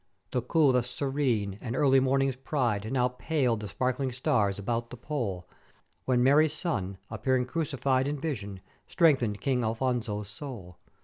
"The coolth serene, and early morning's pride, now paled the sparkling stars about the Pole, when Mary's Son appearing crucified in vision, strengthened King Afonso's soul.